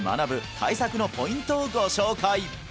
対策のポイントをご紹介